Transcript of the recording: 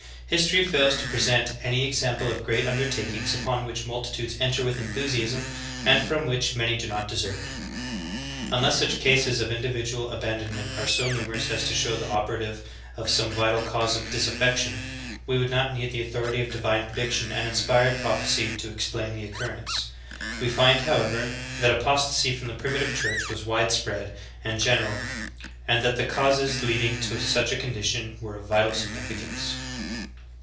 History fails to present any example of great undertakings upon which multitudes enter with enthusiasm, and from which many do not desert. Unless such cases of individual abandonment are so numerous as to show the operation of some vital cause of disaffection, we would not need the authority of divine prediction and inspired proph ecy to explain the occurrence. We find, however, that apos 24 THE GREAT APOSTASY. tasy from the Primitive Church was widespread and gen eral, and that the causes leading to such a condition were of vital significance.